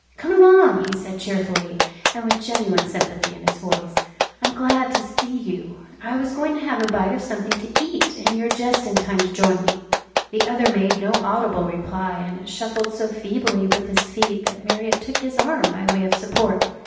"Come along," he said cheerfully, and with genuine sympathy in his voice. "I'm glad to see you. I was going to have a bite of something to eat, and you're just in time to join me." The other made no audible reply, and shuffled so feebly with his feet that Marriott took his arm by way of support.